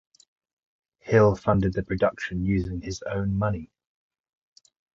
Hill funded the production using his own money.